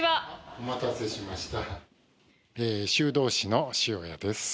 お待たせしました。